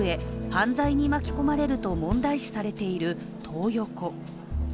犯罪に巻き込まれると問題視されているトー横。